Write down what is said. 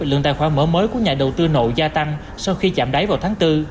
lượng tài khoản mở mới của nhà đầu tư nội gia tăng sau khi chạm đáy vào tháng bốn